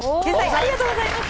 ありがとうございます。